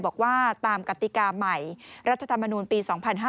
บอกว่าตามกติกาใหม่รัฐธรรมนูลปี๒๕๕๙